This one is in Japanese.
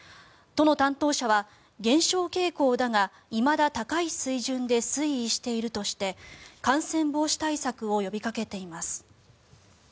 都の担当者は減少傾向だがいまだ高い水準で推移しているとして感染防止対策を呼びかけています。